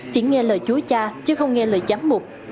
chỉ nghe lời chú cha chứ không nghe lời giám mục